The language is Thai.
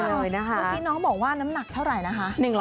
เมื่อกี้น้องบอกว่าน้ำหนักเท่าไหร่นะคะ